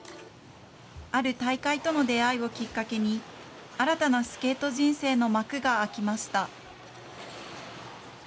ある大会との出会いをきっかけに、新たなスケート人生の幕が開きました。